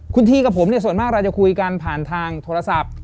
คุณทีกับผมเนี่ยส่วนมากเราจะคุยกันผ่านทางโทรศัพท์